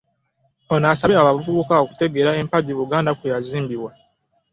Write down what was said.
Ono asabye abavubuka okutegeera empagi Buganda kw'eyazimbirwa